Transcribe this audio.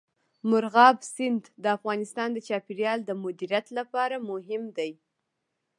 مورغاب سیند د افغانستان د چاپیریال د مدیریت لپاره مهم دي.